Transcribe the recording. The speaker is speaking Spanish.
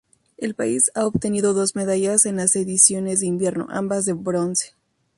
El país ha obtenido dos medallas en las ediciones de invierno, ambas de bronce.